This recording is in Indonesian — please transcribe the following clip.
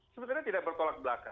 sebenarnya tidak bertolak belakang